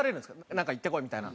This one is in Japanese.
なんか行ってこいみたいな。